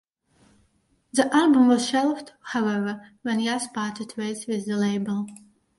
The album was shelved, however, when Yazz parted ways with the label.